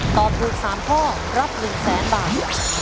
ตอบถูกสามข้อรับหนึ่งแสนบาท